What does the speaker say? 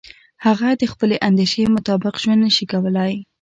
هغه د خپلې اندیشې مطابق ژوند نشي کولای.